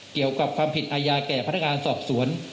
เกี่ยวกับความผิดอาญาแก่พนักงานสอบสวน